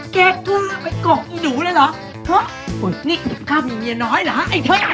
แกกล้อไปกล่องอีหนูเลยเหรอนี่กล้าพี่เมียน้อยเหรอฮะไอ้เธอม